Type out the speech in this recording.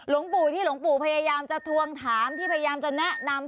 หลวงปู่ที่หลวงปู่พยายามจะทวงถามที่พยายามจะแนะนำ